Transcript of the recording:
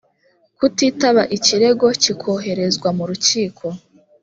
kutitaba ikirego kikoherezwa mu rukiko